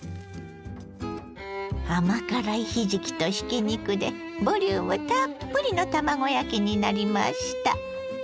甘辛いひじきとひき肉でボリュームたっぷりの卵焼きになりました。